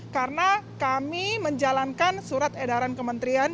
karena kami menjalankan surat edaran kementerian